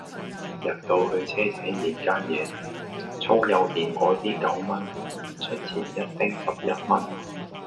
入到去車仔麵間野粗幼麵果啲九蚊出前一丁十一蚊